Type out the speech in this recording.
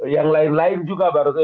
yang lain lain juga baru